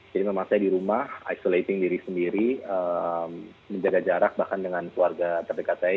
jadi memang saya di rumah isolating diri sendiri menjaga jarak bahkan dengan keluarga terdekat saya